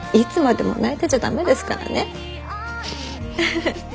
フフフッ。